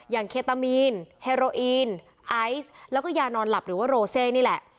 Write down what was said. เคตามีนเฮโรอีนไอซ์แล้วก็ยานอนหลับหรือว่าโรเซนี่แหละ